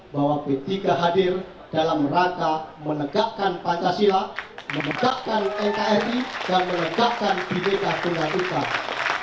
bahwa p tiga hadir dalam rata menegakkan pancasila menegakkan ekri dan menegakkan bidikah tunggak utara